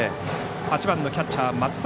８番キャッチャー松坂。